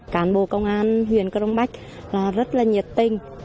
cảnh bộ công an huyện cronbark rất là nhiệt tình